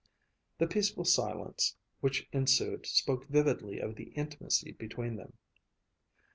The peaceful silence which ensued spoke vividly of the intimacy between them.